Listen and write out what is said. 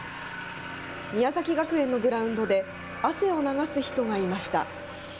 宮崎学園のグラウンドで汗を流す人がいました。